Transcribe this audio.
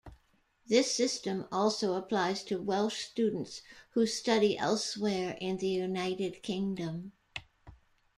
This system also applies to Welsh students who study elsewhere in the United Kingdom.